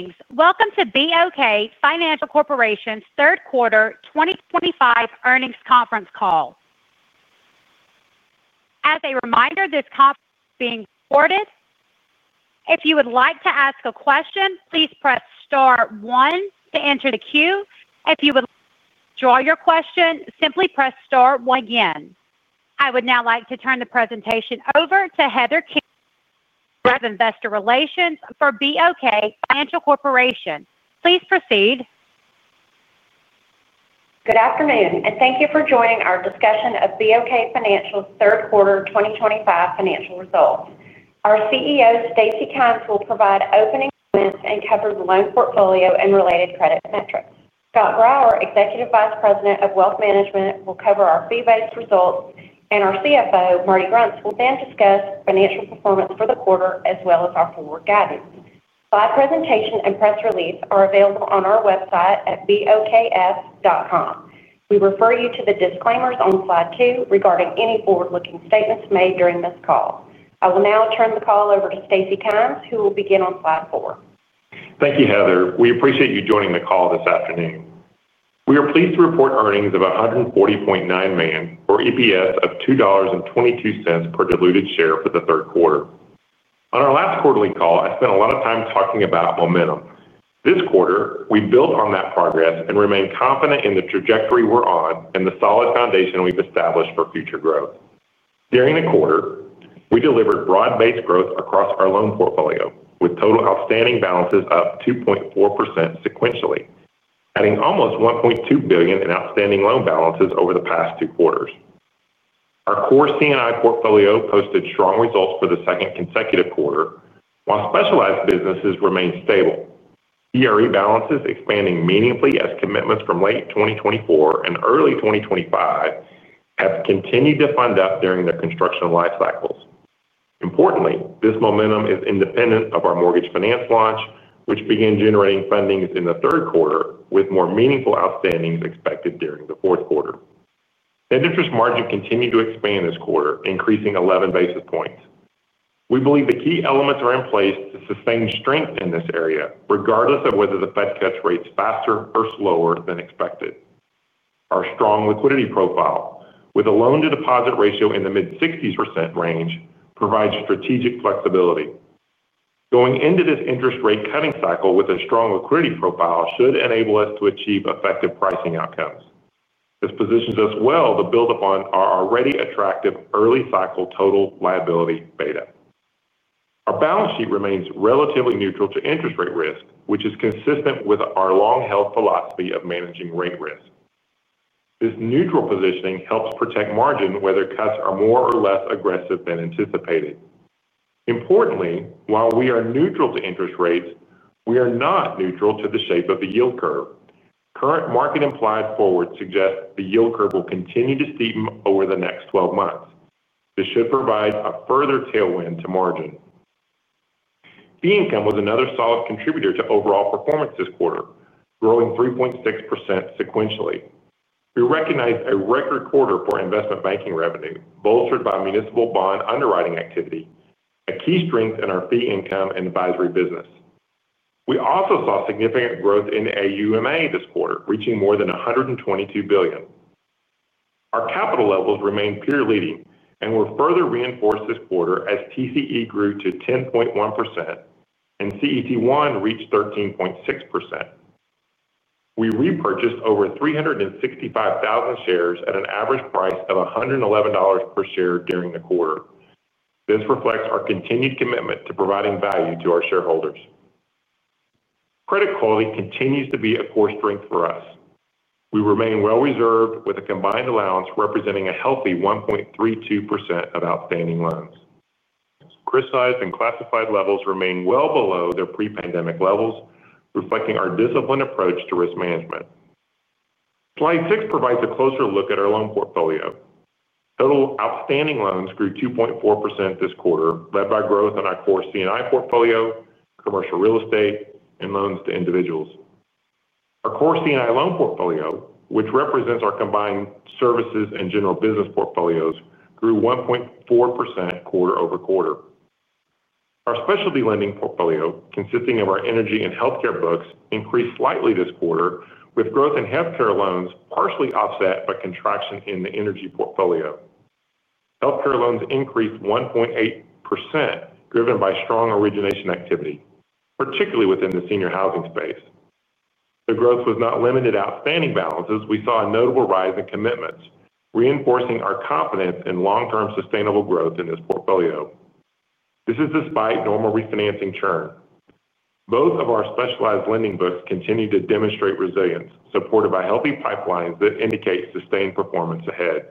Greetings. Welcome to BOK Financial Corporation's Third Quarter 2025 earnings conference call. As a reminder, this conference is being recorded. If you would like to ask a question, please press star one to enter the queue. If you would like to withdraw your question, simply press star one again. I would now like to turn the presentation over to Heather King of Investor Relations for BOK Financial Corporation. Please proceed. Good afternoon, and thank you for joining our discussion of BOK Financial's third quarter 2025 financial results. Our CEO, Stacy Kymes, will provide opening comments and cover the loan portfolio and related credit metrics. Scott Grauer, Executive Vice President of Wealth Management, will cover our fee-based results, and our CFO, Marty Grunst, will then discuss financial performance for the quarter as well as our forward guidance. Slide presentation and press release are available on our website at BOKF.com. We refer you to the disclaimers on slide two regarding any forward-looking statements made during this call. I will now turn the call over to Stacy Kymes, who will begin on slide four. Thank you, Heather. We appreciate you joining the call this afternoon. We are pleased to report earnings of $140.9 million or EPS of $2.22 per diluted share for the third quarter. On our last quarterly call, I spent a lot of time talking about momentum. This quarter, we built on that progress and remain confident in the trajectory we're on and the solid foundation we've established for future growth. During the quarter, we delivered broad-based growth across our loan portfolio, with total outstanding balances up 2.4% sequentially, adding almost $1.2 billion in outstanding loan balances over the past two quarters. Our core CNI portfolio posted strong results for the second consecutive quarter, while specialized businesses remain stable. CRE balances expanding meaningfully as commitments from late 2024 and early 2025 have continued to fund up during their construction life cycles. Importantly, this momentum is independent of our mortgage finance launch, which began generating fundings in the third quarter, with more meaningful outstandings expected during the fourth quarter. Net interest margin continued to expand this quarter, increasing 11 basis points. We believe the key elements are in place to sustain strength in this area, regardless of whether the Fed cuts rates faster or slower than expected. Our strong liquidity profile, with a loan-to-deposit ratio in the mid-60% range, provides strategic flexibility. Going into this interest rate cutting cycle with a strong liquidity profile should enable us to achieve effective pricing outcomes. This positions us well to build upon our already attractive early cycle total liability beta. Our balance sheet remains relatively neutral to interest rate risk, which is consistent with our long-held philosophy of managing rate risk. This neutral positioning helps protect margin whether cuts are more or less aggressive than anticipated. Importantly, while we are neutral to interest rates, we are not neutral to the shape of the yield curve. Current market implied forwards suggest the yield curve will continue to steepen over the next 12 months. This should provide a further tailwind to margin. Fee income was another solid contributor to overall performance this quarter, growing 3.6% sequentially. We recognized a record quarter for investment banking revenue, bolstered by municipal bond underwriting activity, a key strength in our fee income and advisory business. We also saw significant growth in AUMA this quarter, reaching more than $122 billion. Our capital levels remain peer leading and were further reinforced this quarter as tangible common equity grew to 10.1% and CET1 reached 13.6%. We repurchased over 365,000 shares at an average price of $111 per share during the quarter. This reflects our continued commitment to providing value to our shareholders. Credit quality continues to be a core strength for us. We remain well-reserved with a combined allowance representing a healthy 1.32% of outstanding loans. Risk size and classified levels remain well below their pre-pandemic levels, reflecting our disciplined approach to risk management. Slide six provides a closer look at our loan portfolio. Total outstanding loans grew 2.4% this quarter, led by growth in our core commercial and industrial (CNI) portfolio, commercial real estate, and loans to individuals. Our core CNI loan portfolio, which represents our combined services and general business portfolios, grew 1.4% quarter over quarter. Our specialty lending portfolio, consisting of our energy and healthcare books, increased slightly this quarter, with growth in healthcare loans partially offset by contraction in the energy portfolio. Healthcare loans increased 1.8%, driven by strong origination activity, particularly within the senior housing space. Though growth was not limited to outstanding balances, we saw a notable rise in commitments, reinforcing our confidence in long-term sustainable growth in this portfolio. This is despite normal refinancing churn. Both of our specialized lending books continue to demonstrate resilience, supported by healthy pipelines that indicate sustained performance ahead.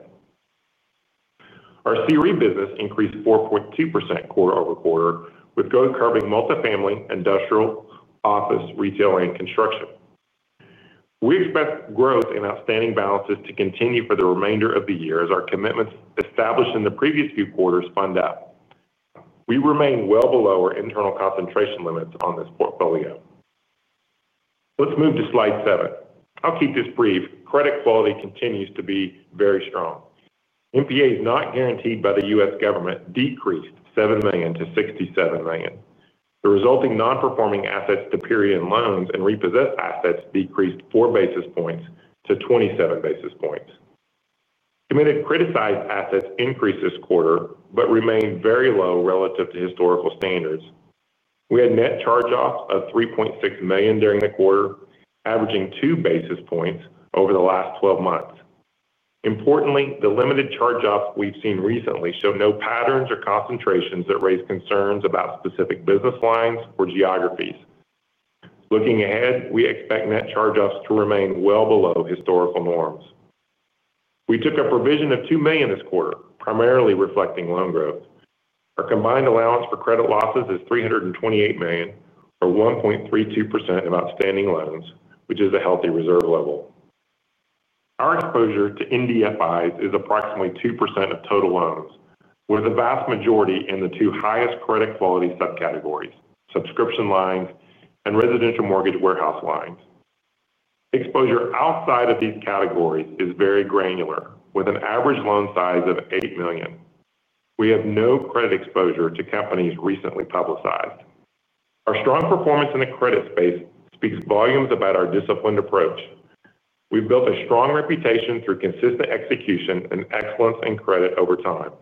Our commercial real estate business increased 4.2% quarter over quarter, with growth covering multifamily, industrial, office, retail, and construction. We expect growth in outstanding balances to continue for the remainder of the year as our commitments established in the previous few quarters fund up. We remain well below our internal concentration limits on this portfolio. Let's move to slide seven. I'll keep this brief. Credit quality continues to be very strong. Non-performing assets not guaranteed by the U.S. government decreased $7 million to $67 million. The resulting non-performing assets to period loans and repossessed assets decreased 4 basis points to 27 basis points. Committed criticized assets increased this quarter but remained very low relative to historical standards. We had net charge-offs of $3.6 million during the quarter, averaging 2 basis points over the last 12 months. Importantly, the limited charge-offs we've seen recently show no patterns or concentrations that raise concerns about specific business lines or geographies. Looking ahead, we expect net charge-offs to remain well below historical norms. We took a provision of $2 million this quarter, primarily reflecting loan growth. Our combined allowance for credit losses is $328 million or 1.32% of outstanding loans, which is a healthy reserve level. Our exposure to NDFIs is approximately 2% of total loans, with the vast majority in the two highest credit quality subcategories: subscription lines and residential mortgage warehouse lines. Exposure outside of these categories is very granular, with an average loan size of $8 million. We have no credit exposure to companies recently publicized. Our strong performance in the credit space speaks volumes about our disciplined approach. We've built a strong reputation through consistent execution and excellence in credit over time.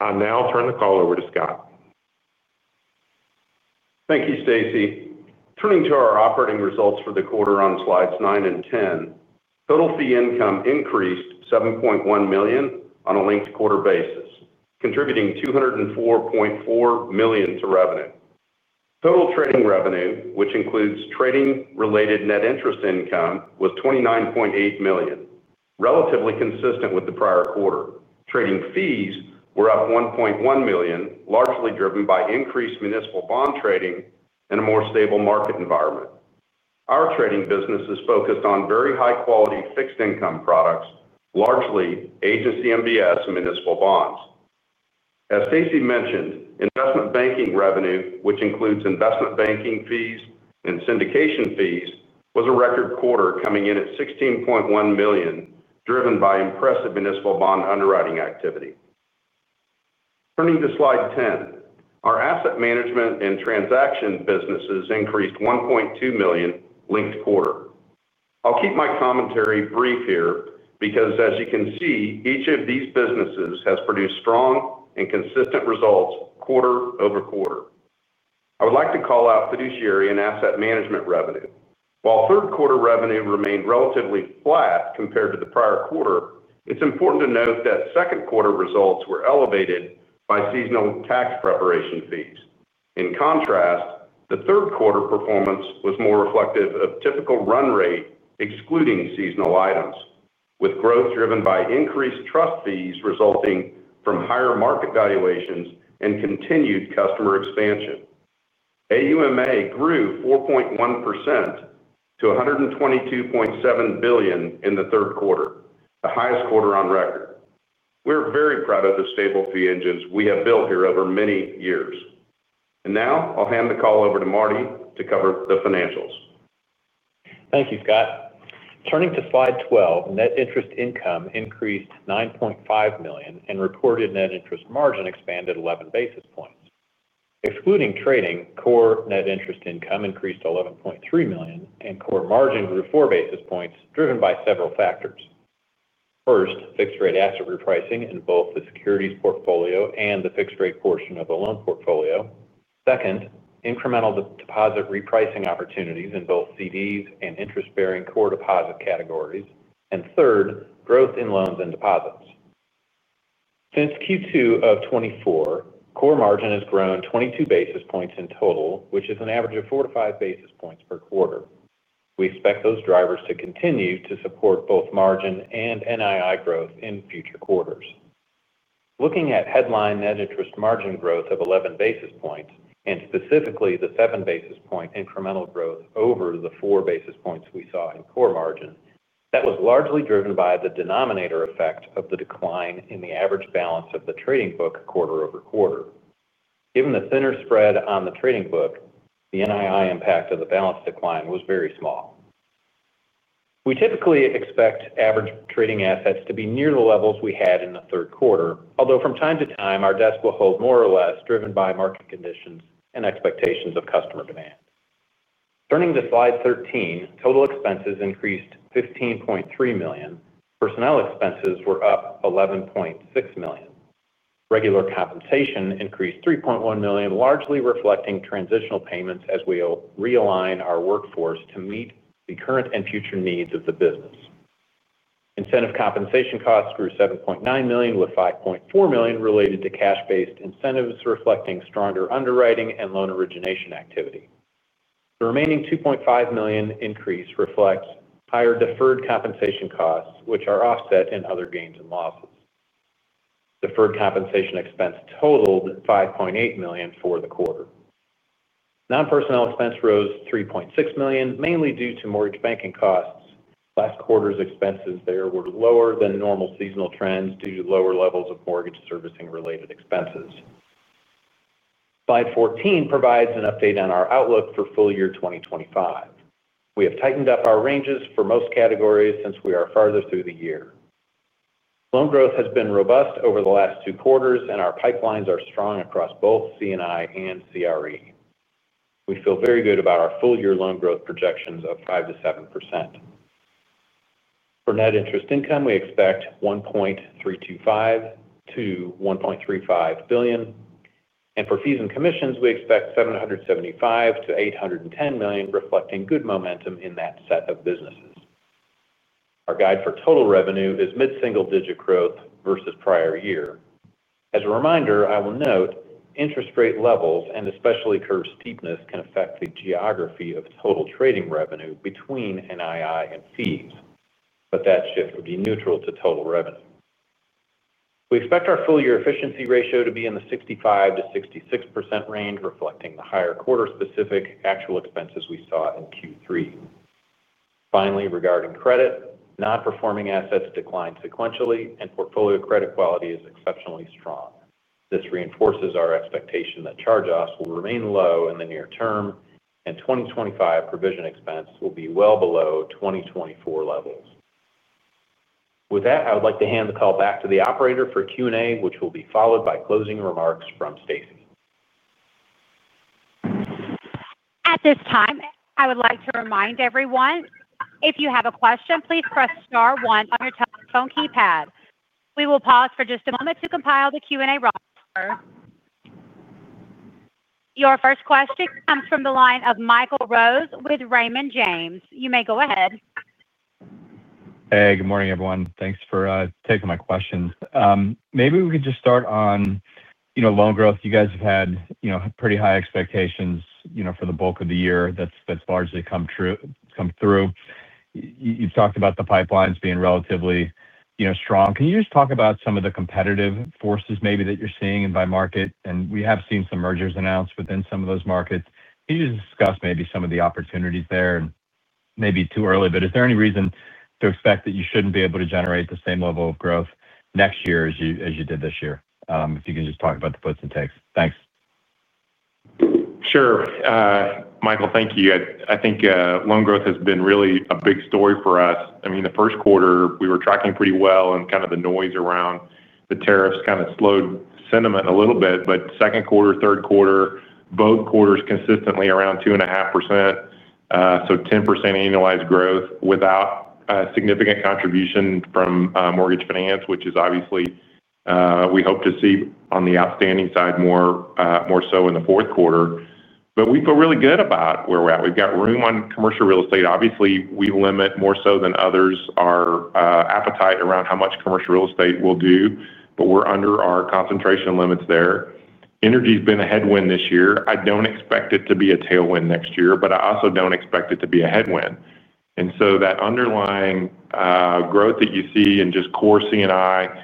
I'll now turn the call over to Scott. Thank you, Stacy. Turning to our operating results for the quarter on slides nine and ten, total fee income increased $7.1 million on a linked quarter basis, contributing $204.4 million to revenue. Total trading revenue, which includes trading-related net interest income, was $29.8 million, relatively consistent with the prior quarter. Trading fees were up $1.1 million, largely driven by increased municipal bond trading and a more stable market environment. Our trading business is focused on very high-quality fixed-income products, largely agency MBS and municipal bonds. As Stacy mentioned, investment banking revenue, which includes investment banking fees and syndication fees, was a record quarter, coming in at $16.1 million, driven by impressive municipal bond underwriting activity. Turning to slide ten, our asset management and transaction businesses increased $1.2 million linked quarter. I will keep my commentary brief here because, as you can see, each of these businesses has produced strong and consistent results quarter over quarter. I would like to call out fiduciary and asset management revenue. While third quarter revenue remained relatively flat compared to the prior quarter, it is important to note that second quarter results were elevated by seasonal tax preparation fees. In contrast, the third quarter performance was more reflective of typical run rate, excluding seasonal items, with growth driven by increased trust fees resulting from higher market valuations and continued customer expansion. AUMA grew 4.1% to $122.7 billion in the third quarter, the highest quarter on record. We are very proud of the stable fee engines we have built here over many years. I will hand the call over to Marty to cover the financials. Thank you, Scott. Turning to slide 12, net interest income increased $9.5 million and reported net interest margin expanded 11 basis points. Excluding trading, core net interest income increased $11.3 million and core margin grew 4 basis points, driven by several factors. First, fixed-rate asset repricing in both the securities portfolio and the fixed-rate portion of the loan portfolio. Second, incremental deposit repricing opportunities in both CDs and interest-bearing core deposit categories. Third, growth in loans and deposits. Since Q2 of 2024, core margin has grown 22 basis points in total, which is an average of 4 basis points - 5 basis points per quarter. We expect those drivers to continue to support both margin and NII growth in future quarters. Looking at headline net interest margin growth of 11 basis points, and specifically the 7 basis point incremental growth over the 4 basis points we saw in core margin, that was largely driven by the denominator effect of the decline in the average balance of the trading book quarter over quarter. Given the thinner spread on the trading book, the NII impact of the balance decline was very small. We typically expect average trading assets to be near the levels we had in the third quarter, although from time to time, our desk will hold more or less driven by market conditions and expectations of customer demand. Turning to slide 13, total expenses increased $15.3 million. Personnel expenses were up $11.6 million. Regular compensation increased $3.1 million, largely reflecting transitional payments as we realign our workforce to meet the current and future needs of the business. Incentive compensation costs grew $7.9 million, with $5.4 million related to cash-based incentives, reflecting stronger underwriting and loan origination activity. The remaining $2.5 million increase reflects higher deferred compensation costs, which are offset in other gains and losses. Deferred compensation expense totaled $5.8 million for the quarter. Non-personnel expense rose $3.6 million, mainly due to mortgage banking costs. Last quarter's expenses there were lower than normal seasonal trends due to lower levels of mortgage servicing-related expenses. Slide 14 provides an update on our outlook for full year 2025. We have tightened up our ranges for most categories since we are farther through the year. Loan growth has been robust over the last two quarters, and our pipelines are strong across both CNI and CRE. We feel very good about our full-year loan growth projections of 5% - 7%. For net interest income, we expect $1.325 billion - $1.35 billion. For fees and commissions, we expect $775 million - $810 million, reflecting good momentum in that set of businesses. Our guide for total revenue is mid-single-digit growth versus prior year. As a reminder, I will note interest rate levels and especially curve steepness can affect the geography of total trading revenue between NII and fees, but that shift would be neutral to total revenue. We expect our full-year efficiency ratio to be in the 65% - 66% range, reflecting the higher quarter-specific actual expenses we saw in Q3. Finally, regarding credit, non-performing assets declined sequentially, and portfolio credit quality is exceptionally strong. This reinforces our expectation that charge-offs will remain low in the near term, and 2025 provision expense will be well below 2024 levels. With that, I would like to hand the call back to the operator for Q&A, which will be followed by closing remarks from Stacy. At this time, I would like to remind everyone, if you have a question, please press star one on your telephone keypad. We will pause for just a moment to compile the Q&A roster. Your first question comes from the line of Michael Rose with Raymond James. You may go ahead. Hey, good morning, everyone. Thanks for taking my questions. Maybe we could just start on, you know, loan growth. You guys have had, you know, pretty high expectations, you know, for the bulk of the year that's largely come through. You've talked about the pipelines being relatively, you know, strong. Can you just talk about some of the competitive forces maybe that you're seeing in BOK Financial's market? We have seen some mergers announced within some of those markets. Can you just discuss maybe some of the opportunities there? Maybe too early, but is there any reason to expect that you shouldn't be able to generate the same level of growth next year as you did this year? If you can just talk about the puts and takes. Thanks. Sure. Michael, thank you. I think loan growth has been really a big story for us. I mean, the first quarter we were tracking pretty well, and the noise around the tariffs kind of slowed sentiment a little bit. Second quarter, third quarter, both quarters consistently around 2.5%. So 10% annualized growth without a significant contribution from mortgage finance, which is obviously we hope to see on the outstanding side more so in the fourth quarter. We feel really good about where we're at. We've got room on commercial real estate. Obviously, we limit more so than others our appetite around how much commercial real estate we will do, but we're under our concentration limits there. Energy's been a headwind this year. I don't expect it to be a tailwind next year, but I also don't expect it to be a headwind. That underlying growth that you see in just core CNI,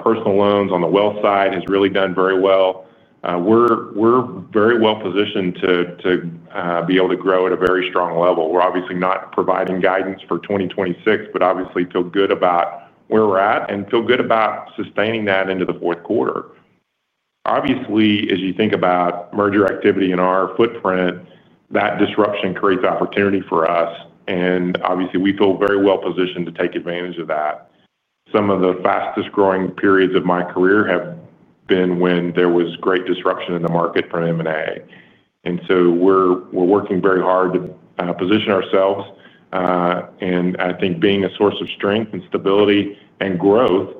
personal loans on the wealth side has really done very well. We're very well positioned to be able to grow at a very strong level. We're obviously not providing guidance for 2026, but obviously feel good about where we're at and feel good about sustaining that into the fourth quarter. As you think about merger activity in our footprint, that disruption creates opportunity for us. Obviously, we feel very well positioned to take advantage of that. Some of the fastest growing periods of my career have been when there was great disruption in the market from M&A. We're working very hard to position ourselves. I think being a source of strength and stability and growth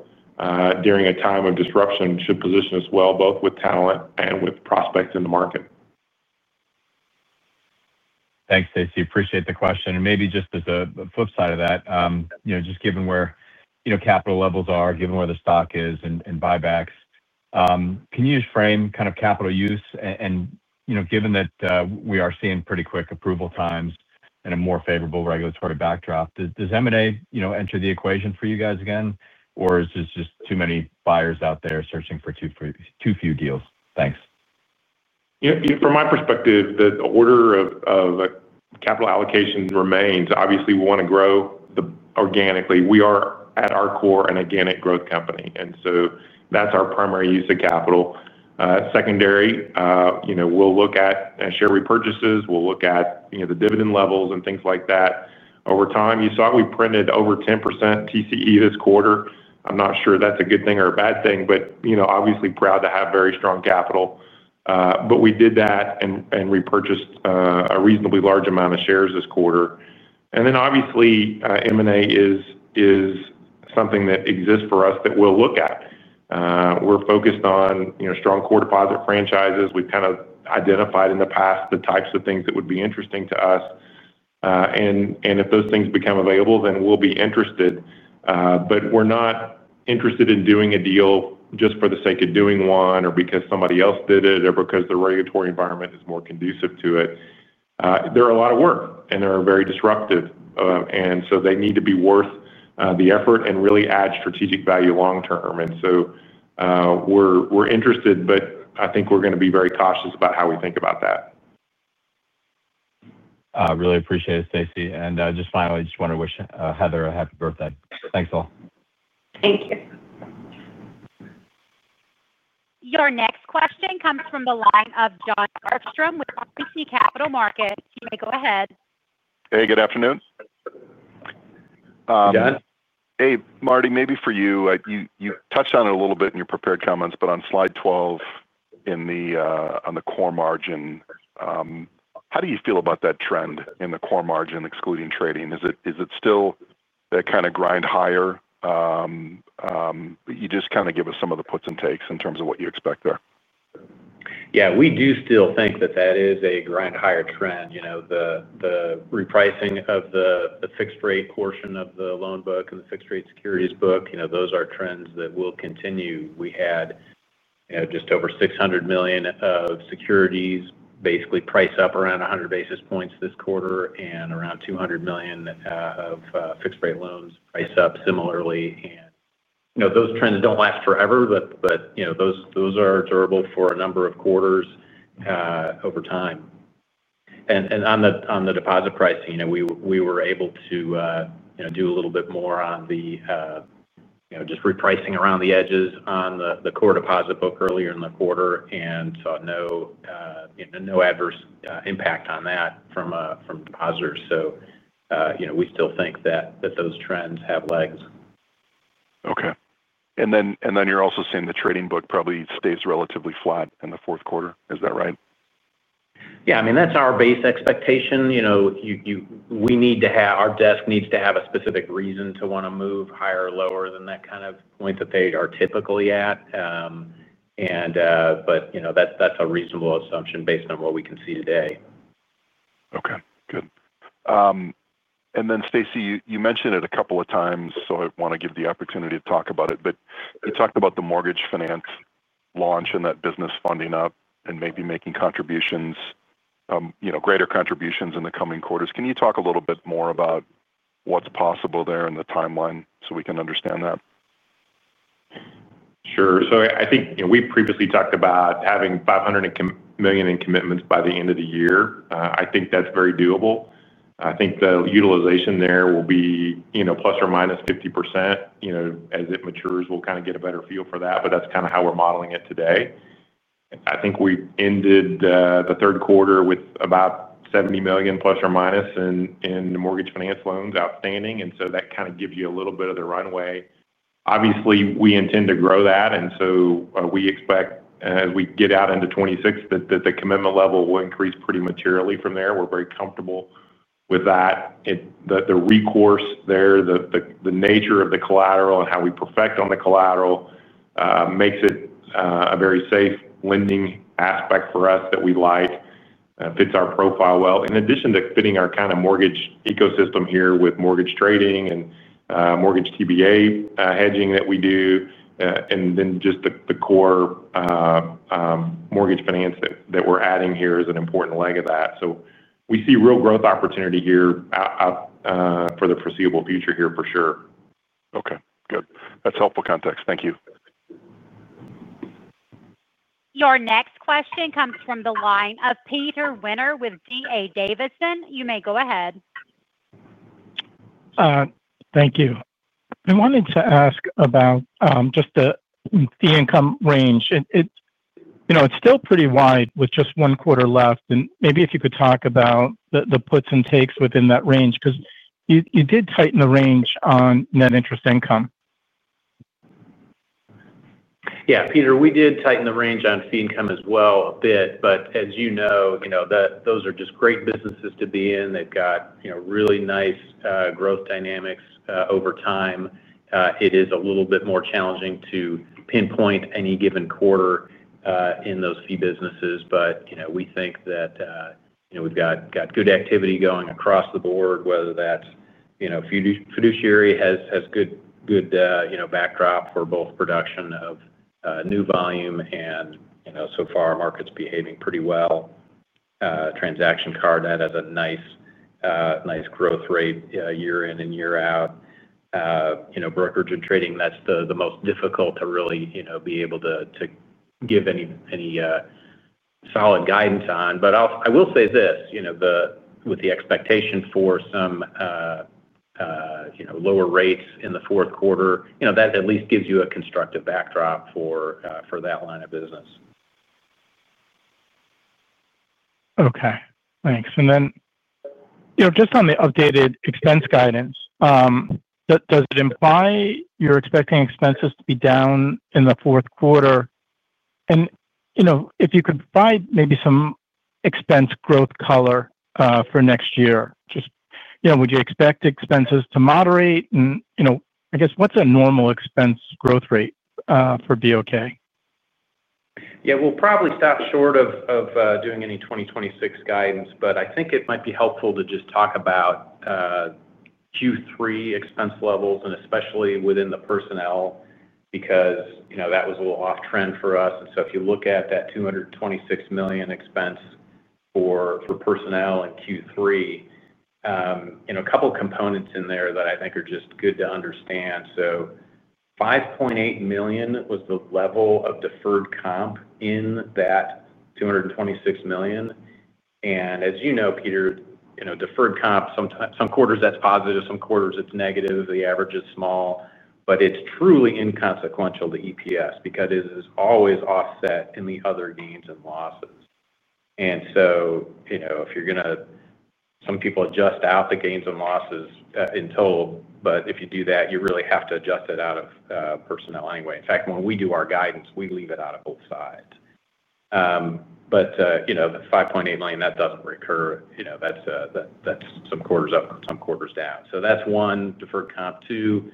during a time of disruption should position us well, both with talent and with prospects in the market. Thanks, Stacy. Appreciate the question. Maybe just as a flip side of that, just given where capital levels are, given where the stock is and buybacks, can you just frame kind of capital use? Given that we are seeing pretty quick approval times and a more favorable regulatory backdrop, does M&A enter the equation for you guys again, or is this just too many buyers out there searching for too few deals? Thanks. From my perspective, the order of capital allocation remains. Obviously, we want to grow organically. We are, at our core, an organic growth company, and that's our primary use of capital. Secondary, we'll look at share repurchases, the dividend levels, and things like that. Over time, you saw we printed over 10% tangible common equity this quarter. I'm not sure that's a good thing or a bad thing, but obviously proud to have very strong capital. We did that and repurchased a reasonably large amount of shares this quarter. M&A is something that exists for us that we'll look at. We're focused on strong core deposit franchises. We've kind of identified in the past the types of things that would be interesting to us, and if those things become available, then we'll be interested. We're not interested in doing a deal just for the sake of doing one or because somebody else did it or because the regulatory environment is more conducive to it. They're a lot of work, and they're very disruptive. They need to be worth the effort and really add strategic value long term. We're interested, but I think we're going to be very cautious about how we think about that. I really appreciate it, Stacy. Finally, I just want to wish Heather a happy birthday. Thanks all. Thank you. Your next question comes from the line of Jon Arfstrom with RBC Capital Markets. You may go ahead. Hey, good afternoon. Jon? Hey, Marty, maybe for you, you touched on it a little bit in your prepared comments, but on slide 12 in the core margin, how do you feel about that trend in the core margin excluding trading? Is it still that kind of grind higher? Can you just give us some of the puts and takes in terms of what you expect there. Yeah, we do still think that that is a grind higher trend. The repricing of the fixed-rate portion of the loan book and the fixed-rate securities book, those are trends that will continue. We had just over $600 million of securities basically price up around 100 basis points this quarter and around $200 million of fixed-rate loans price up similarly. Those trends don't last forever, but those are durable for a number of quarters over time. On the deposit pricing, we were able to do a little bit more on the repricing around the edges on the core deposit book earlier in the quarter and saw no adverse impact on that from depositors. We still think that those trends have legs. Okay. You're also saying the trading book probably stays relatively flat in the fourth quarter. Is that right? Yeah, I mean, that's our base expectation. We need to have, our desk needs to have a specific reason to want to move higher or lower than that kind of point that they are typically at. That's a reasonable assumption based on what we can see today. Okay, good. Stacy, you mentioned it a couple of times, so I want to give the opportunity to talk about it. You talked about the mortgage finance launch and that business funding up and maybe making contributions, you know, greater contributions in the coming quarters. Can you talk a little bit more about what's possible there in the timeline so we can understand that? Sure. I think, you know, we previously talked about having $500 million in commitments by the end of the year. I think that's very doable. I think the utilization there will be, you know, plus or minus 50%. As it matures, we'll kind of get a better feel for that. That's kind of how we're modeling it today. I think we ended the third quarter with about $70± million, in mortgage finance loans outstanding. That kind of gives you a little bit of the runway. Obviously, we intend to grow that. We expect, as we get out into 2026, that the commitment level will increase pretty materially from there. We're very comfortable with that. The recourse there, the nature of the collateral, and how we perfect on the collateral makes it a very safe lending aspect for us that we like. It fits our profile well, in addition to fitting our kind of mortgage ecosystem here with mortgage trading and mortgage TBA hedging that we do. The core mortgage finance that we're adding here is an important leg of that. We see real growth opportunity here for the foreseeable future here for sure. Okay, good. That's helpful context. Thank you. Your next question comes from the line of Peter Winter with D.A. Davidson. You may go ahead. Thank you. I wanted to ask about just the fee income range. It's still pretty wide with just one quarter left. Maybe if you could talk about the puts and takes within that range, because you did tighten the range on net interest income. Yeah, Peter, we did tighten the range on fee income as well a bit. As you know, those are just great businesses to be in. They've got really nice growth dynamics over time. It is a little bit more challenging to pinpoint any given quarter in those fee businesses. We think that we've got good activity going across the board, whether that's fiduciary, has good backdrop for both production of new volume, and so far our market's behaving pretty well. Transaction card has a nice growth rate year in and year out. Brokerage and trading, that's the most difficult to really be able to give any solid guidance on. I will say this, with the expectation for some lower rates in the fourth quarter, that at least gives you a constructive backdrop for that line of business. Okay, thanks. On the updated expense guidance, does it imply you're expecting expenses to be down in the fourth quarter? If you could provide maybe some expense growth color for next year, would you expect expenses to moderate? I guess what's a normal expense growth rate for BOK? Yeah, we'll probably stop short of doing any 2026 guidance, but I think it might be helpful to just talk about Q3 expense levels and especially within the personnel because, you know, that was a little off-trend for us. If you look at that $226 million expense for personnel in Q3, a couple of components in there that I think are just good to understand. $5.8 million was the level of deferred comp in that $226 million. As you know, Peter, deferred comp, some quarters that's positive, some quarters it's negative. The average is small, but it's truly inconsequential to EPS because it is always offset in the other gains and losses. If you're going to, some people adjust out the gains and losses in total, but if you do that, you really have to adjust it out of personnel anyway. In fact, when we do our guidance, we leave it out of both sides. $5.8 million, that doesn't recur. That's some quarters up, some quarters down. That's one. Deferred comp two,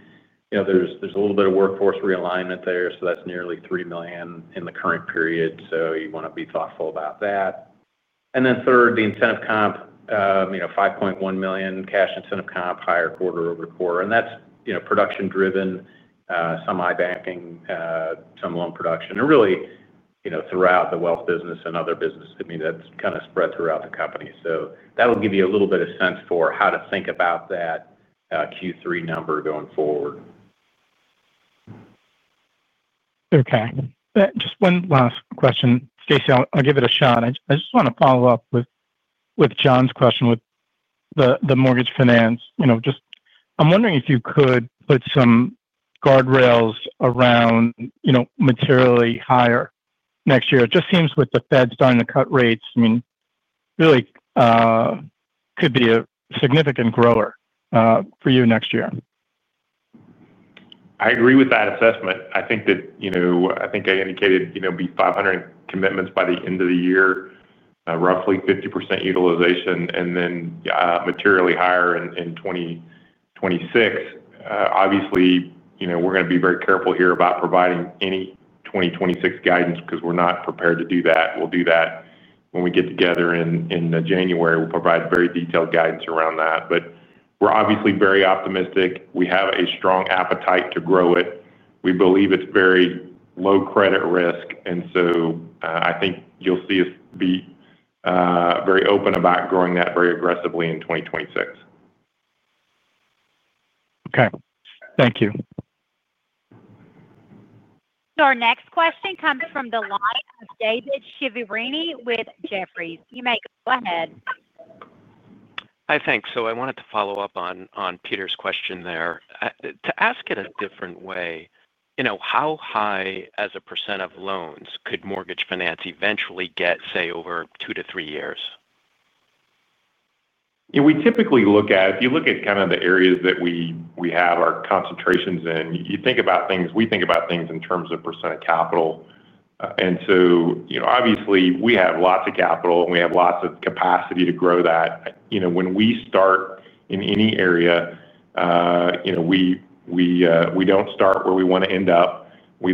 there's a little bit of workforce realignment there. That's nearly $3 million in the current period. You want to be thoughtful about that. Third, the incentive comp, $5.1 million cash incentive comp, higher quarter over quarter. That's production-driven, some iBanking, some loan production. Throughout the wealth business and other businesses, that's kind of spread throughout the company. That'll give you a little bit of sense for how to think about that Q3 number going forward. Okay. Just one last question, Stacy. I'll give it a shot. I just want to follow up with John's question with the mortgage finance. I'm wondering if you could put some guardrails around, you know, materially higher next year. It just seems with the Fed starting to cut rates, it really could be a significant grower for you next year. I agree with that assessment. I think I indicated, you know, $500 million commitments by the end of the year, roughly 50% utilization, and then materially higher in 2026. Obviously, we're going to be very careful here about providing any 2026 guidance because we're not prepared to do that. We'll do that when we get together in January. We'll provide very detailed guidance around that. We're obviously very optimistic. We have a strong appetite to grow it. We believe it's very low credit risk. I think you'll see us be very open about growing that very aggressively in 2026. Okay, thank you. Your next question comes from the line of David Chiaverini with Jefferies. You may go ahead. Hi, thanks. I wanted to follow up on Peter's question there. To ask it a different way, you know, how high as a % of loans could mortgage finance eventually get, say, over two to three years? We typically look at, if you look at the areas that we have our concentrations in, you think about things, we think about things in terms of % of capital. Obviously, we have lots of capital and we have lots of capacity to grow that. When we start in any area, we don't start where we want to end up. We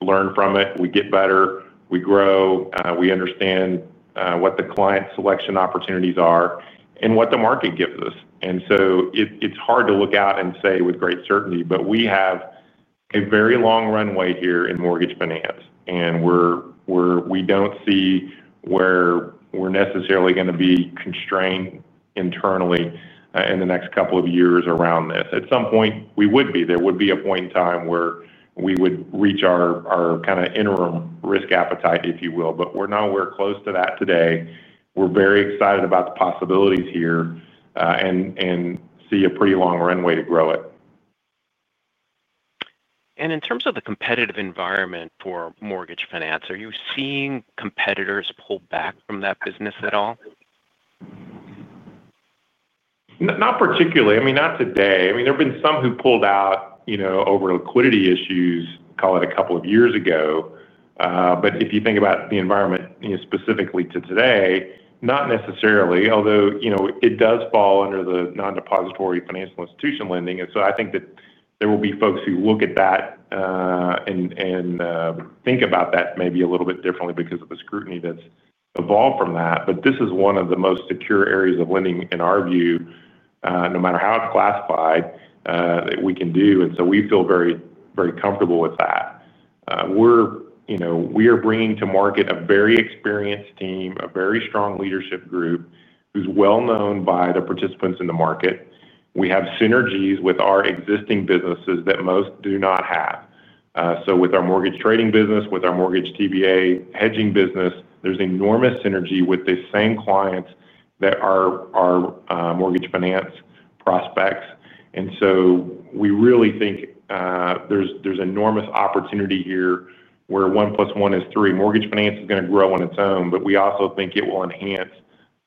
learn from it, we get better, we grow, we understand what the client selection opportunities are and what the market gives us. It's hard to look out and say with great certainty, but we have a very long runway here in mortgage finance. We don't see where we're necessarily going to be constrained internally in the next couple of years around this. At some point, we would be. There would be a point in time where we would reach our interim risk appetite, if you will. We're nowhere close to that today. We're very excited about the possibilities here and see a pretty long runway to grow it. In terms of the competitive environment for mortgage finance, are you seeing competitors pull back from that business at all? Not particularly. I mean, not today. There have been some who pulled out, you know, over liquidity issues, call it a couple of years ago. If you think about the environment, specifically to today, not necessarily, although it does fall under the non-depository financial institution lending. I think that there will be folks who look at that and think about that maybe a little bit differently because of the scrutiny that's evolved from that. This is one of the most secure areas of lending in our view, no matter how it's classified, that we can do. We feel very, very comfortable with that. We are bringing to market a very experienced team, a very strong leadership group who's well known by the participants in the market. We have synergies with our existing businesses that most do not have. With our mortgage trading business, with our mortgage TBA hedging business, there's enormous synergy with the same clients that are our mortgage finance prospects. We really think there's enormous opportunity here where one plus one is three. Mortgage finance is going to grow on its own, but we also think it will enhance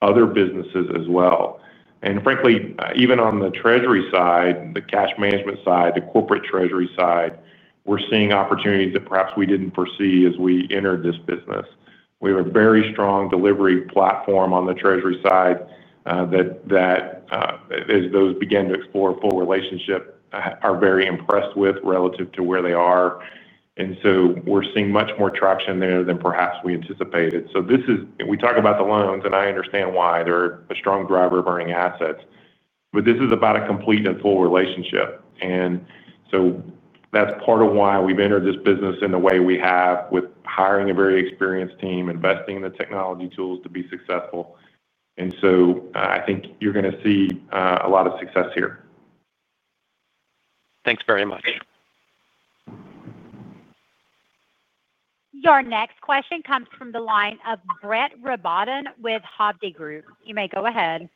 other businesses as well. Frankly, even on the treasury side, the cash management side, the corporate treasury side, we're seeing opportunities that perhaps we didn't foresee as we entered this business. We have a very strong delivery platform on the treasury side that, as those begin to explore a full relationship, are very impressed with relative to where they are. We're seeing much more traction there than perhaps we anticipated. We talk about the loans, and I understand why. They're a strong driver of earning assets. This is about a complete and full relationship. That's part of why we've entered this business in the way we have with hiring a very experienced team, investing in the technology tools to be successful. I think you're going to see a lot of success here. Thanks very much. Your next question comes from the line of Brett Rabatin with Hovde Group. You may go ahead.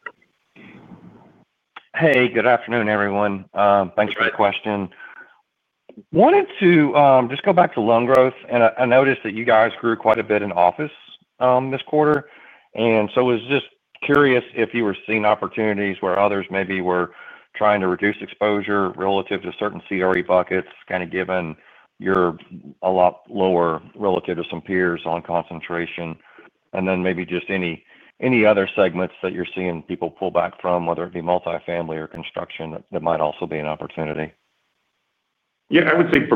Hey, good afternoon, everyone. Thanks for the question. I wanted to just go back to loan growth. I noticed that you guys grew quite a bit in office this quarter. I was just curious if you were seeing opportunities where others maybe were trying to reduce exposure relative to certain CRE buckets, given you're a lot lower relative to some peers on concentration. Maybe just any other segments that you're seeing people pull back from, whether it be multifamily or construction, that might also be an opportunity. Yeah, I would say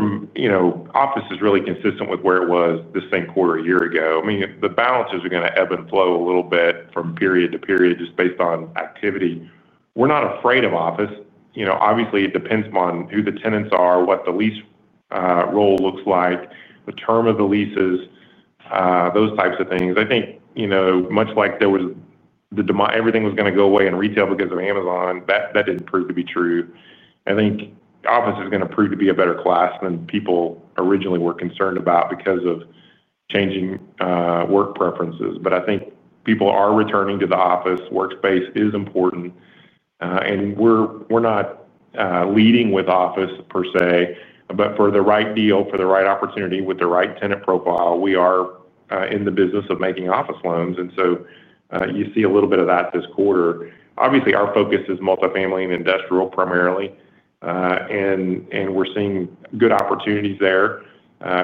office is really consistent with where it was the same quarter a year ago. The balances are going to ebb and flow a little bit from period to period just based on activity. We're not afraid of office. Obviously, it depends upon who the tenants are, what the lease roll looks like, the term of the leases, those types of things. I think, much like there was the demand, everything was going to go away in retail because of Amazon. That didn't prove to be true. I think office is going to prove to be a better class than people originally were concerned about because of changing work preferences. I think people are returning to the office. Workspace is important. We're not leading with office per se. For the right deal, for the right opportunity, with the right tenant profile, we are in the business of making office loans. You see a little bit of that this quarter. Obviously, our focus is multifamily and industrial primarily. We're seeing good opportunities there.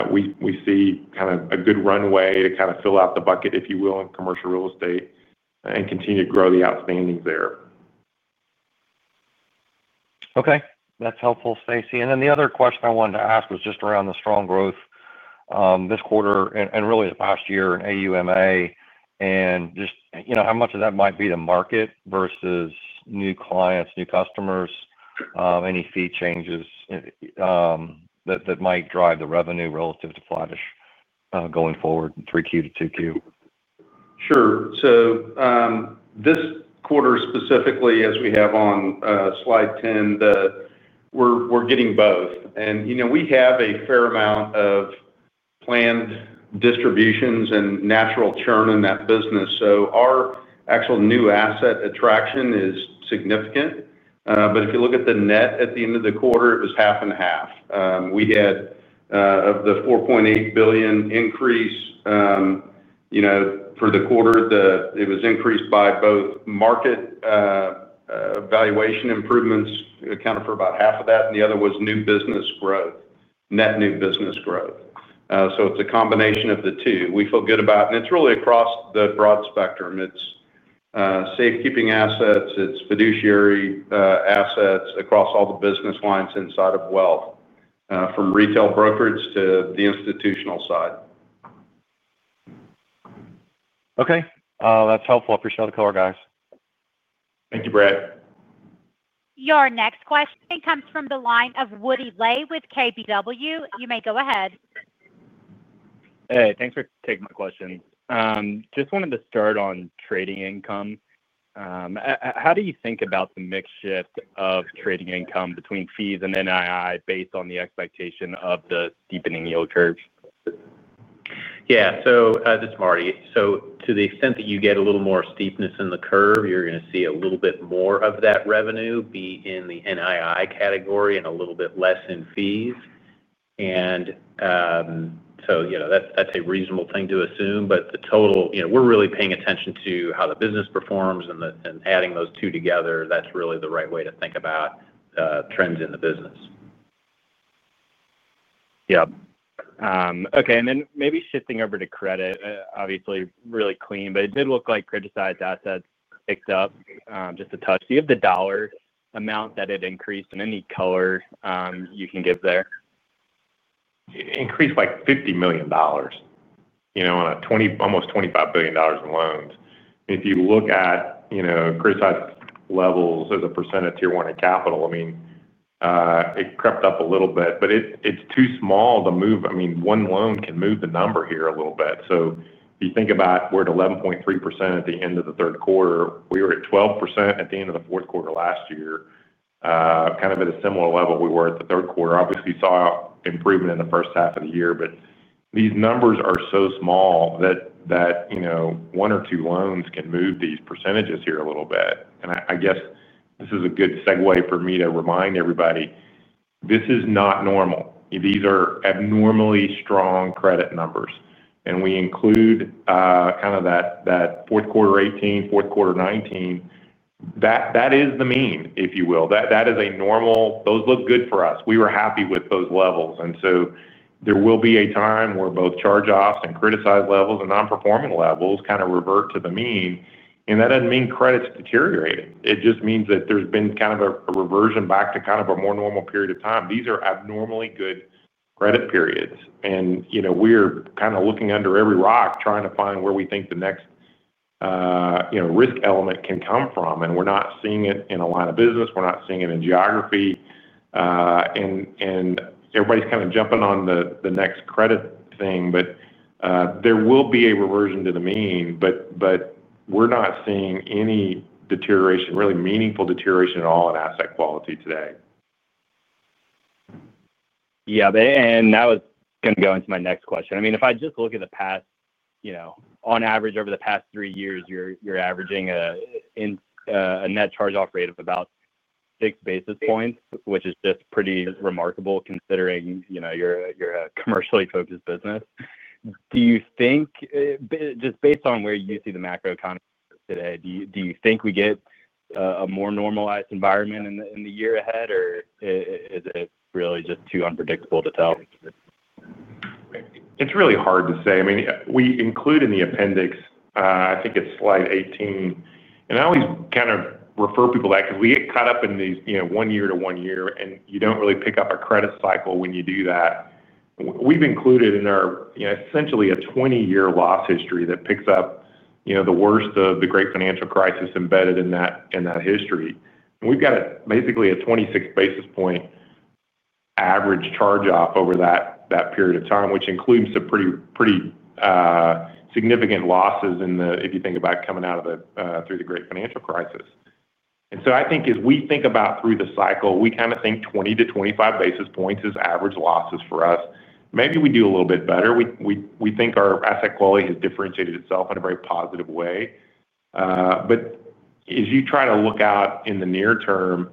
We see kind of a good runway to kind of fill out the bucket, if you will, in commercial real estate and continue to grow the outstandings there. Okay. That's helpful, Stacy. The other question I wanted to ask was just around the strong growth this quarter and really the past year in AUMA and just, you know, how much of that might be the market versus new clients, new customers, any fee changes that might drive the revenue relative to flatish going forward in 3Q to 2Q. Sure. This quarter specifically, as we have on slide 10, we're getting both. We have a fair amount of planned distributions and natural churn in that business. Our actual new asset attraction is significant. If you look at the net at the end of the quarter, it was half and half. Of the $4.8 billion increase for the quarter, it was increased by both market valuation improvements, which accounted for about half of that, and the other was new business growth, net new business growth. It's a combination of the two. We feel good about it, and it's really across the broad spectrum. It's safekeeping assets. It's fiduciary assets across all the business lines inside of wealth, from retail brokerage to the institutional side. Okay, that's helpful. I appreciate all the color, guys. Thank you, Brett. Your next question comes from the line of Woody Lay with KBW. You may go ahead. Hey, thanks for taking my question. Just wanted to start on trading income. How do you think about the mix shift of trading income between fees and NII based on the expectation of the steepening yield curve? Yeah. This is Marty. To the extent that you get a little more steepness in the curve, you're going to see a little bit more of that revenue be in the NII category and a little bit less in fees. That's a reasonable thing to assume. The total, we're really paying attention to how the business performs and adding those two together. That's really the right way to think about the trends in the business. Yep. Okay. Maybe shifting over to credit, obviously really clean, but it did look like credit-sized assets picked up just a touch. Do you have the dollar amount that it increased and any color you can give there? It increased like $50 million, you know, on almost $25 billion in loans. If you look at, you know, credit-sized levels as a percent of tier one in capital, it crept up a little bit, but it's too small to move. One loan can move the number here a little bit. If you think about we're at 11.3% at the end of the third quarter. We were at 12% at the end of the fourth quarter last year, kind of at a similar level we were at the third quarter. Obviously, you saw improvement in the first half of the year, but these numbers are so small that, you know, one or two loans can move these percentages here a little bit. I guess this is a good segue for me to remind everybody, this is not normal. These are abnormally strong credit numbers. We include kind of that fourth quarter 2018, fourth quarter 2019. That is the mean, if you will. That is normal, those look good for us. We were happy with those levels. There will be a time where both charge-offs and credit-sized levels and non-performing levels kind of revert to the mean. That doesn't mean credit's deteriorating. It just means that there's been kind of a reversion back to kind of a more normal period of time. These are abnormally good credit periods. We're kind of looking under every rock trying to find where we think the next, you know, risk element can come from. We're not seeing it in a line of business. We're not seeing it in geography. Everybody's kind of jumping on the next credit thing. There will be a reversion to the mean. We're not seeing any deterioration, really meaningful deterioration at all in asset quality today. Yeah, that was going to go into my next question. I mean, if I just look at the past, you know, on average over the past three years, you're averaging a net charge-off rate of about 6 basis points, which is just pretty remarkable considering, you know, you're a commercially focused business. Do you think, just based on where you see the macroeconomy today, do you think we get a more normalized environment in the year ahead, or is it really just too unpredictable to tell? It's really hard to say. I mean, we include in the appendix, I think it's slide 18. I always kind of refer people to that because we get caught up in these, you know, one year to one year, and you don't really pick up a credit cycle when you do that. We've included in our, you know, essentially a 20-year loss history that picks up the worst of the great financial crisis embedded in that history. We've got basically a 26 basis point average charge-off over that period of time, which includes some pretty significant losses if you think about coming out of, through the great financial crisis. I think as we think about through the cycle, we kind of think 20 to 25 basis points is average losses for us. Maybe we do a little bit better. We think our asset quality has differentiated itself in a very positive way. As you try to look out in the near term,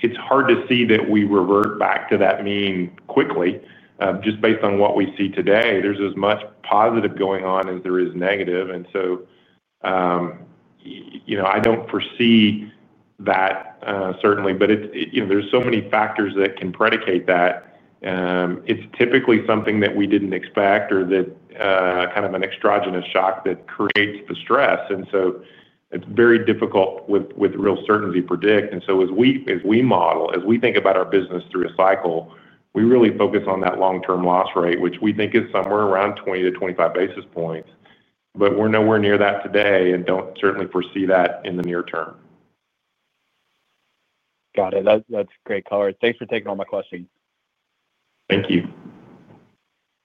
it's hard to see that we revert back to that mean quickly. Just based on what we see today, there's as much positive going on as there is negative. I don't foresee that certainly, but there are so many factors that can predicate that. It's typically something that we didn't expect or that kind of an extragenous shock that creates the stress. It's very difficult with real certainty to predict. As we model, as we think about our business through a cycle, we really focus on that long-term loss rate, which we think is somewhere around 20 - 25 basis points. We're nowhere near that today and don't certainly foresee that in the near term. Got it. That's great color. Thanks for taking all my questions. Thank you.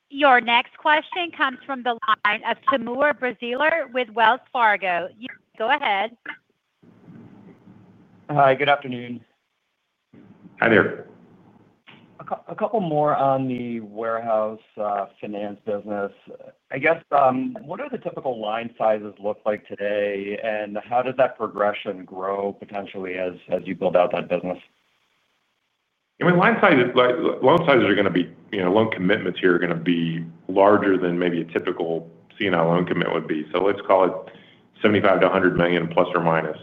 Your next question comes from the line of Timur Braziler with Wells Fargo. You go ahead. Hi, good afternoon. Hi there. A couple more on the warehouse finance business. I guess, what do the typical line sizes look like today? How does that progression grow potentially as you build out that business? I mean, loan sizes are going to be, you know, loan commitments here are going to be larger than maybe a typical CNI loan commitment would be. Let's call it $75 million - $100 million, plus or minus.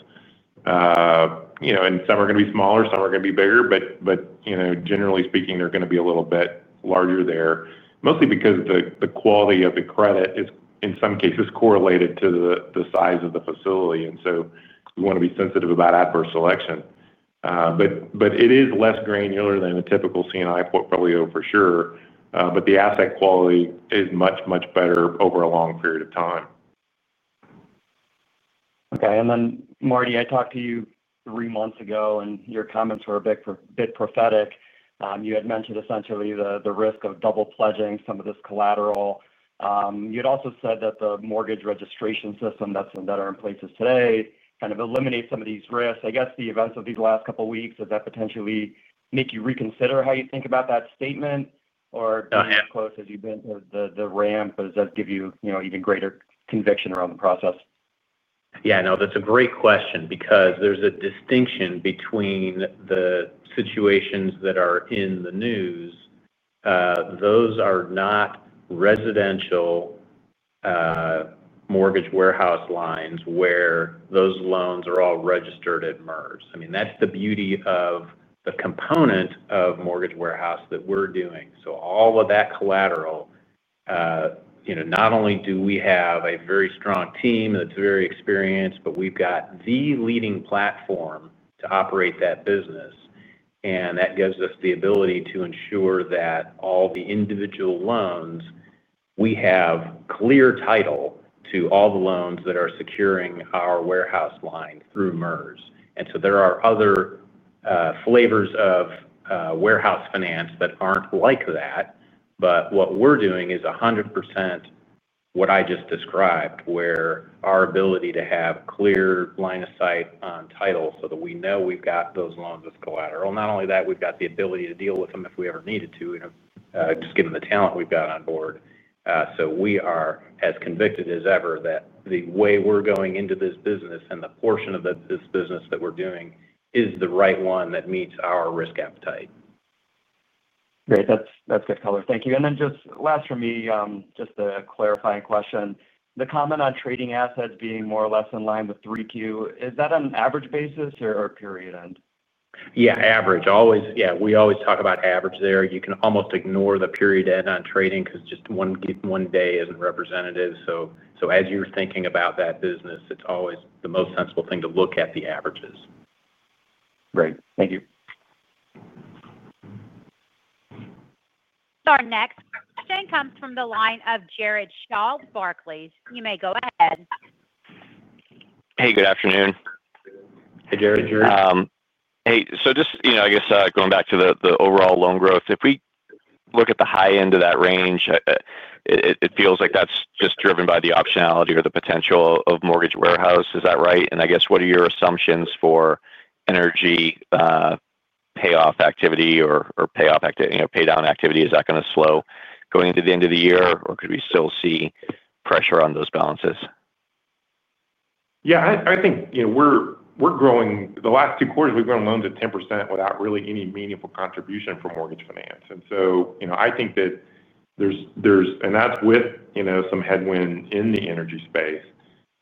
You know, some are going to be smaller, some are going to be bigger, but, you know, generally speaking, they're going to be a little bit larger there, mostly because the quality of the credit is, in some cases, correlated to the size of the facility. We want to be sensitive about adverse selection. It is less granular than a typical CNI portfolio for sure, but the asset quality is much, much better over a long period of time. Okay. Marty, I talked to you three months ago, and your comments were a bit prophetic. You had mentioned essentially the risk of double pledging some of this collateral. You'd also said that the mortgage registration systems that are in place today kind of eliminate some of these risks. I guess the events of these last couple of weeks, does that potentially make you reconsider how you think about that statement? Does it get as close as you've been to the ramp, but does it give you even greater conviction around the process? Yeah. No, that's a great question because there's a distinction between the situations that are in the news. Those are not residential mortgage warehouse lines where those loans are all registered at MERS. That's the beauty of the component of mortgage warehouse that we're doing. All of that collateral, not only do we have a very strong team that's very experienced, but we've got the leading platform to operate that business. That gives us the ability to ensure that all the individual loans, we have clear title to all the loans that are securing our warehouse line through MERS. There are other flavors of warehouse finance that aren't like that. What we're doing is 100% what I just described, where our ability to have clear line of sight on title so that we know we've got those loans as collateral. Not only that, we've got the ability to deal with them if we ever needed to, just given the talent we've got on board. We are as convicted as ever that the way we're going into this business and the portion of this business that we're doing is the right one that meets our risk appetite. Great. That's good color. Thank you. Just last for me, just a clarifying question. The comment on trading assets being more or less in line with 3Q, is that an average basis or a period end? Yeah, average. We always talk about average there. You can almost ignore the period end on trading because just one day isn't representative. As you're thinking about that business, it's always the most sensible thing to look at the averages. Great. Thank you. Our next question comes from the line of Jared Shaw-Barclays. You may go ahead. Hey, good afternoon. Hey, Jared. Hey, just going back to the overall loan growth, if we look at the high end of that range, it feels like that's just driven by the optionality or the potential of mortgage warehouse. Is that right? What are your assumptions for energy payoff activity or payoff activity, paydown activity? Is that going to slow going into the end of the year, or could we still see pressure on those balances? Yeah, I think, you know, we're growing. The last two quarters, we've grown loans at 10% without really any meaningful contribution from mortgage finance. I think that there's, and that's with some headwind in the energy space.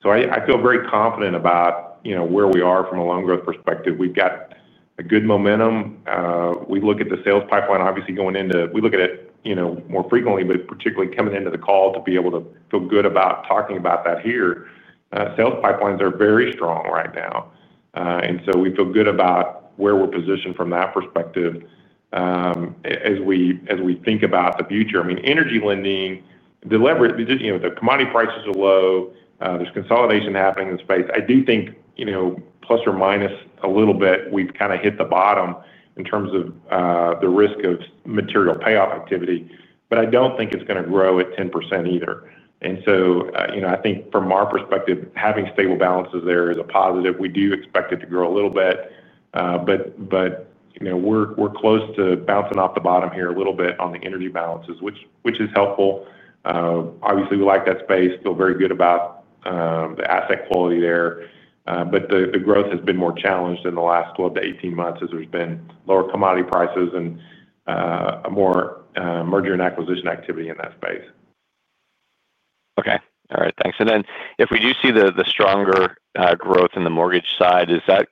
I feel very confident about where we are from a loan growth perspective. We've got good momentum. We look at the sales pipeline, obviously, going into it. We look at it more frequently, but particularly coming into the call to be able to feel good about talking about that here. Sales pipelines are very strong right now. We feel good about where we're positioned from that perspective as we think about the future. I mean, energy lending, the commodity prices are low. There's consolidation happening in the space. I do think, plus or minus a little bit, we've kind of hit the bottom in terms of the risk of material payoff activity. I don't think it's going to grow at 10% either. From our perspective, having stable balances there is a positive. We do expect it to grow a little bit. We're close to bouncing off the bottom here a little bit on the energy balances, which is helpful. Obviously, we like that space. Feel very good about the asset quality there. The growth has been more challenged in the last 12 to 18 months as there's been lower commodity prices and more M&A activity in that space. All right. Thanks. If we do see the stronger growth in the mortgage side, is that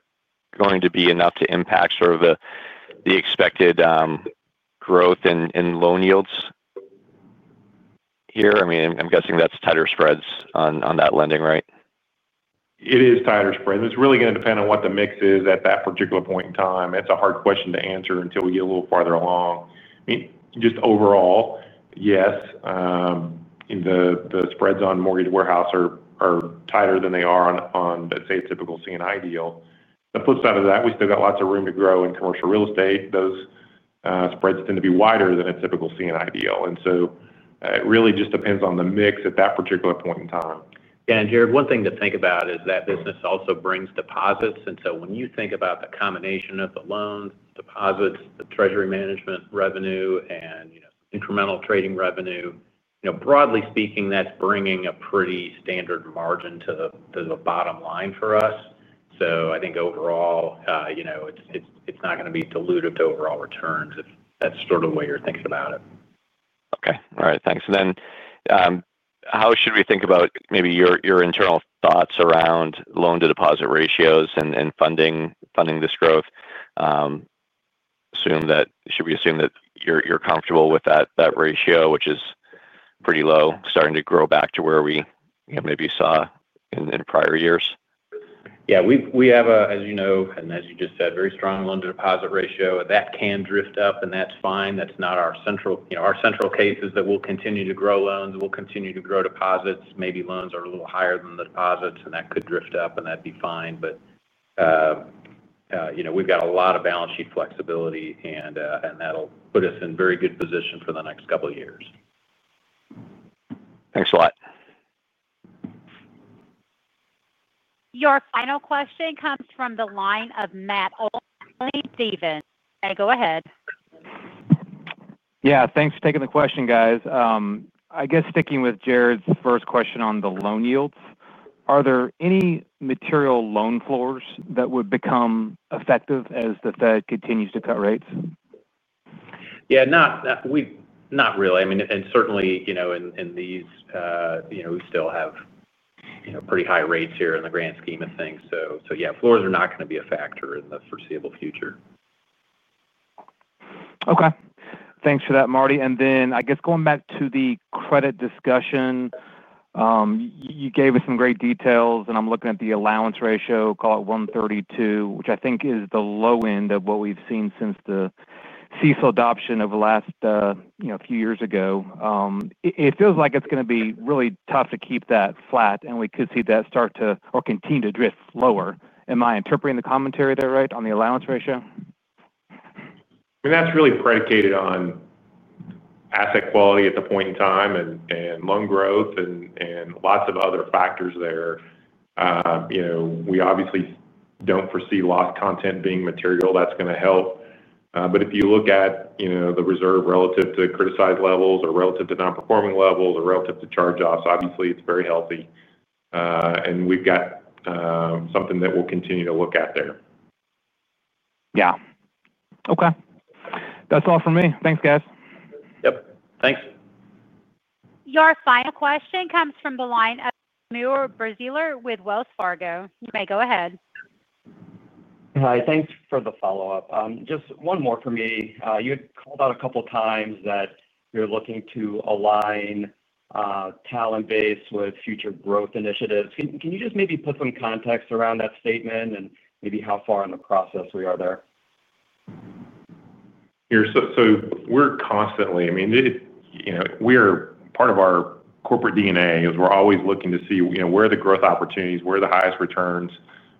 going to be enough to impact sort of the expected growth in loan yields here? I'm guessing that's tighter spreads on that lending, right? It is tighter spreads. It's really going to depend on what the mix is at that particular point in time. That's a hard question to answer until we get a little farther along. I mean, just overall, yes. The spreads on mortgage warehouse are tighter than they are on, let's say, a typical CNI deal. The flip side of that, we still got lots of room to grow in commercial real estate. Those spreads tend to be wider than a typical CNI deal. It really just depends on the mix at that particular point in time. Yeah. Jared, one thing to think about is that business also brings deposits. When you think about the combination of the loans, deposits, the treasury management revenue, and incremental trading revenue, broadly speaking, that's bringing a pretty standard margin to the bottom line for us. I think overall, it's not going to be diluted to overall returns if that's sort of the way you're thinking about it. Okay. All right. Thanks. How should we think about maybe your internal thoughts around loan-to-deposit ratios and funding this growth? Should we assume that you're comfortable with that ratio, which is pretty low, starting to grow back to where we maybe saw in prior years? Yeah, we have, as you know, and as you just said, a very strong loan-to-deposit ratio. That can drift up, and that's fine. That's not our central, you know, our central case is that we'll continue to grow loans. We'll continue to grow deposits. Maybe loans are a little higher than the deposits, and that could drift up, and that'd be fine. We've got a lot of balance sheet flexibility, and that'll put us in very good position for the next couple of years. Thanks a lot. Your final question comes from the line of Matt Olney-Stephens. Go ahead. Yeah, thanks for taking the question, guys. I guess sticking with Jared's first question on the loan yields, are there any material loan floors that would become effective as the Fed continues to cut rates? Not really. I mean, certainly, you know, we still have pretty high rates here in the grand scheme of things. Floors are not going to be a factor in the foreseeable future. Okay. Thanks for that, Marty. I guess going back to the credit discussion, you gave us some great details, and I'm looking at the allowance ratio, call it 1.32%, which I think is the low end of what we've seen since the CECL adoption of the last few years ago. It feels like it's going to be really tough to keep that flat, and we could see that start to or continue to drift lower. Am I interpreting the commentary there right on the allowance ratio? I mean, that's really predicated on asset quality at the point in time and loan growth and lots of other factors there. We obviously don't foresee loss content being material, that's going to help. If you look at the reserve relative to criticized levels or relative to non-performing levels or relative to charge-offs, it's very healthy. We've got something that we'll continue to look at there. Yeah, okay. That's all for me. Thanks, guys. Yep. Thanks. Your final question comes from the line of Timur Braziler with Wells Fargo. You may go ahead. Hi, thanks for the follow-up. Just one more for me. You had called out a couple of times that you're looking to align talent base with future growth initiatives. Can you just maybe put some context around that statement and maybe how far in the process we are there? Sure. We're constantly, I mean, you know, part of our corporate DNA is we're always looking to see, you know, where are the growth opportunities, where are the highest returns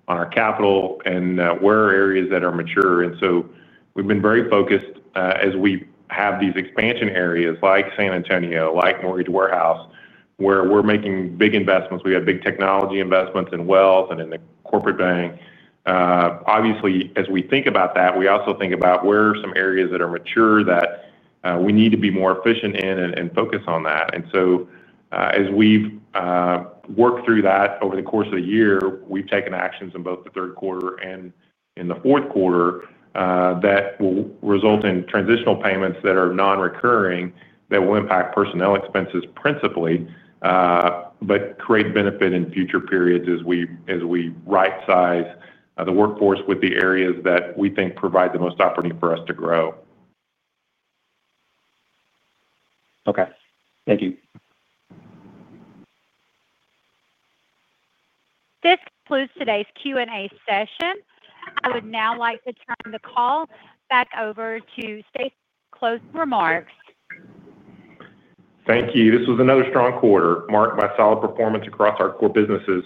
on our capital, and where are areas that are mature. We've been very focused as we have these expansion areas like San Antonio, like Mortgage Warehouse, where we're making big investments. We have big technology investments in Wells and in the corporate bank. Obviously, as we think about that, we also think about where are some areas that are mature that we need to be more efficient in and focus on that. As we've worked through that over the course of the year, we've taken actions in both the third quarter and in the fourth quarter that will result in transitional payments that are non-recurring that will impact personnel expenses principally, but create benefit in future periods as we right-size the workforce with the areas that we think provide the most opportunity for us to grow. Okay, thank you. This concludes today's Q&A session. I would now like to turn the call back over to Stacy. Closing remarks. Thank you. This was another strong quarter marked by solid performance across our core businesses.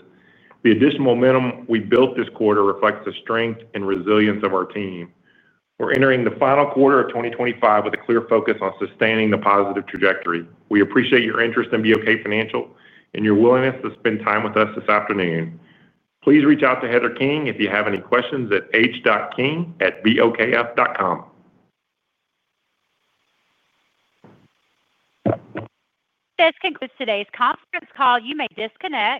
The additional momentum we built this quarter reflects the strength and resilience of our team. We're entering the final quarter of 2025 with a clear focus on sustaining the positive trajectory. We appreciate your interest in BOK Financial and your willingness to spend time with us this afternoon. Please reach out to Heather King if you have any questions at h.king@bokf.com. This concludes today's conference call. You may disconnect.